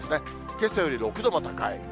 けさより６度も高い。